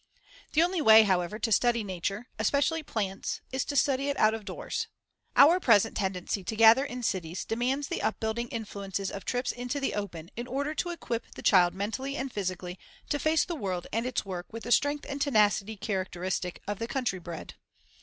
The only way, however, to study nature especially plants is to study it out of doors. Our present tendency to gather in cities demands the upbuilding influences of trips into the open in order to equip the child mentally and physically to face the world and its work with the strength and tenacity characteristic of the country bred.